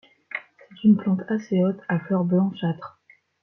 C'est une plante assez haute, à fleurs blanchâtres.